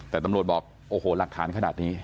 แต่ตำรวจบอกโอ้โหหลักฐานขนาดนี้